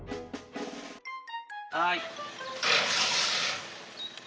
はい。